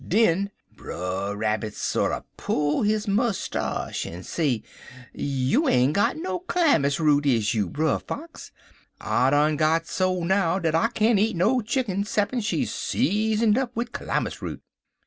"Den Brer Rabbit sorter pull his mustarsh, en say: 'You ain't got no calamus root, is you, Brer Fox? I done got so now dat I can't eat no chicken 'ceppin she's seasoned up wid calamus root.'